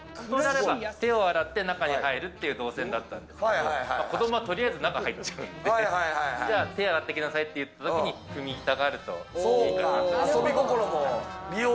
手を洗って中に入るっていう動線だったんですけど、子供はとりあえず中入っちゃうんで、手洗ってきなさいって言ったときに、踏み板があると。